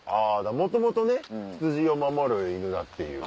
もともとね羊を守る犬だっていう。